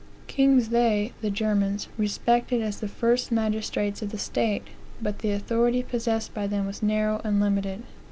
"Kings they (the Germans) respected as the first magistrates of the state; but the authority possessed by them was narrow and limited."